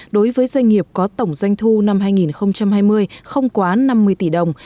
đối với doanh nghiệp có tổng doanh thu năm hai nghìn hai mươi không quá năm mươi tỷ đồng